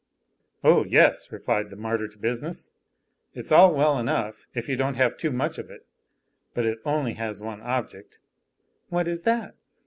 "Oh, yes," replied that martyr to business, "it's all well enough, if you don't have too much of it, but it only has one object." "What is that?"